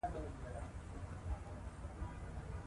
که خویندې ډالۍ ورکړي نو مینه به نه وي کمه.